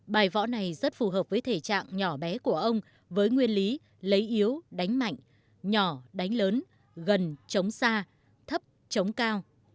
bài võ này rất phù hợp với thể trạng nhỏ bé của ông với nguyên lý lấy yếu đánh mạnh nhỏ đánh lớn gần chống xa thấp chống cao